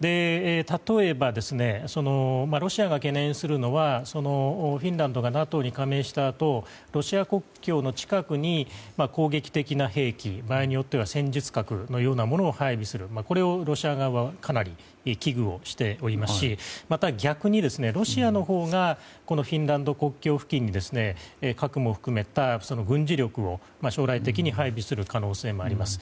例えばロシアが懸念するのはフィンランドがＮＡＴＯに加盟したあとロシア国境の近くに攻撃的な兵器場合によっては戦術核のようなものを配備する、これをロシア側はかなり危惧をしておりますしまた、逆にロシアのほうがフィンランド国境付近に核も含めた軍事力を将来的に配備する可能性もあります。